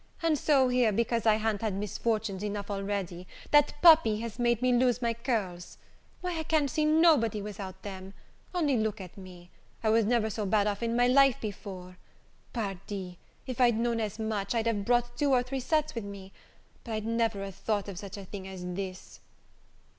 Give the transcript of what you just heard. and so here, because I ha'n't had misfortunes enough already, that puppy has made me lose my curls! Why, I can't see nobody without them: only look at me, I was never so bad off in my life before. Pardi, if I'd know'd as much, I'd have brought two or three sets with me: but I'd never a thought of such a thing as this."